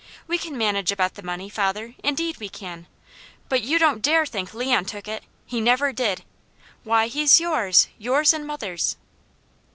We can manage about the money, father, indeed we can. But you don't dare think Leon took it! He never did! Why, he's yours! Yours and mother's!"